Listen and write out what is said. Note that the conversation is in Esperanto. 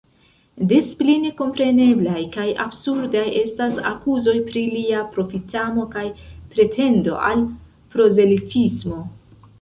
Des pli nekompreneblaj kaj absurdaj estas akuzoj pri lia profitamo kaj pretendo al prozelitismo.